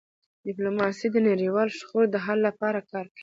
ډيپلوماسي د نړیوالو شخړو د حل لپاره کار کوي.